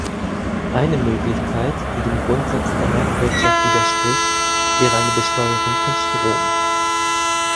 Eine Möglichkeit, die dem Grundsatz der Marktwirtschaft widerspricht, wäre eine Besteuerung von Strom.